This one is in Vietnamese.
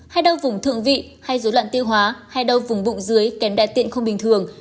hay đau vùng thượng vị hay dối loạn tiêu hóa hay đau vùng bụng dưới kém đa tiện không bình thường